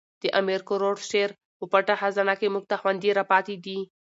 د امیر کروړ شعر په پټه خزانه کښي موږ ته خوندي را پاتي دي.